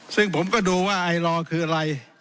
ซึ่งผมก็ดูว่าไอลอร์คืออะไร